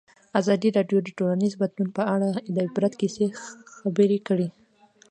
ازادي راډیو د ټولنیز بدلون په اړه د عبرت کیسې خبر کړي.